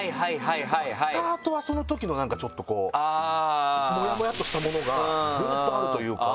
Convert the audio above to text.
スタートはそのときのなんかちょっとこうモヤモヤっとしたものがずっとあるというか。